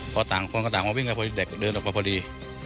พอต่างคนก็ต่างมาวิ่งกับพวกเด็กเดินแล้วก็พอดี